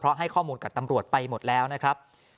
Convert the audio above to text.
เพราะให้ข้อมูลกับตำรวจไปหมดแล้วนะครับ